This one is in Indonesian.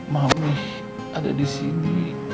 mau nih ada disini